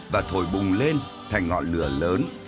và thổi bùng lên thành ngọn lửa lớn